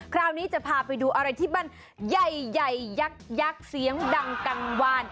คราวนี้จะพาไปดูอะไรที่มันใหญ่ยักษ์เสียงดังกลางวาน